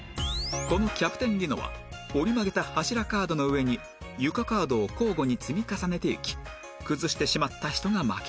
この『キャプテン・リノ』は折り曲げた柱カードの上に床カードを交互に積み重ねていき崩してしまった人が負け